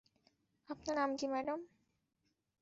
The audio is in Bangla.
আপনার নাম কী, ম্যাডাম?